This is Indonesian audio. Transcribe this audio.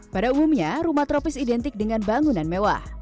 pada umumnya rumah tropis identik dengan bangunan mewah